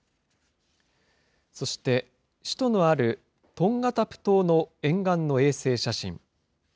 そして、首都のあるトンガタプ島の沿岸の衛星写真。